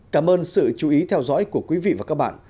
cảm ơn sự chú ý theo dõi của quý vị và các bạn